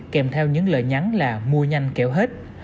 kèm theo những lời nhắn là mua nhanh kẹo hết